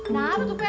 nah betul pak